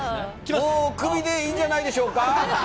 もうクビでいいんじゃないでしょうか？